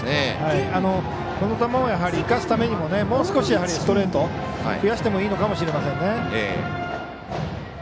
この球を生かすためにももう少しストレート増やしてもいいのかもしれませんね。